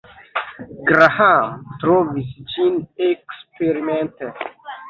Graham trovis ĝin eksperimente.